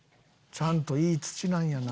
ちゃんといい土なんやな。